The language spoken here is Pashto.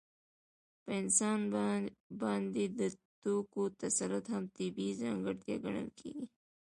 په انسان باندې د توکو تسلط هم طبیعي ځانګړتیا ګڼل کېږي